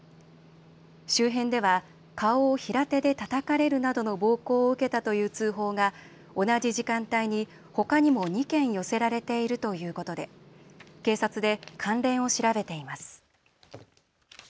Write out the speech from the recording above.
周辺では顔を平手でたたかれるなどの暴行を受けたという通報が同じ時間帯にほかにも２件寄せられているということで警察で関連を調べています。